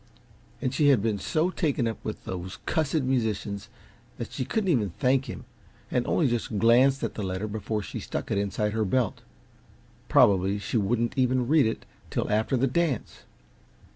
and she had been so taken up with those cussed musicians that she couldn't even thank him, and only just glanced at the letter before she stuck it inside her belt. Probably she wouldn't even read it till after the dance.